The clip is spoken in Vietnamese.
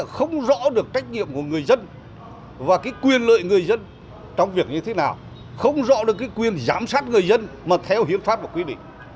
không rõ được quyền giám sát người dân mà theo hiến pháp và quy định